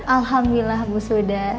alhamdulillah bu sudah